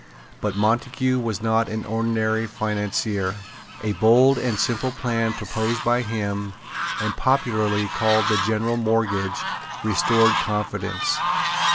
But Montague was not an ordinary financier. A bold and simple plan proposed by him, and popularly called the General Mortgage, restored confidence.